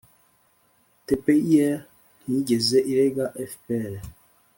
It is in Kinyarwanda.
tpir ntiyigeze irega fpr,